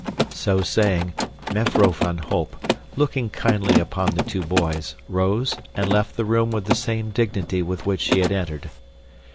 So saying, Mevrouw van Holp, looking kindly upon the two boys, rose, and left the room with the same dignity with which she had entered.